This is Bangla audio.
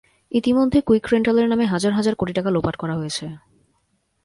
ইতিমধ্যে কুইক রেন্টালের নামে হাজার হাজার কোটি টাকা লোপাট করা হয়েছে।